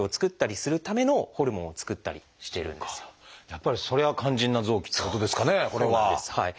やっぱりそれは「肝腎な臓器」ってことですかねこれは。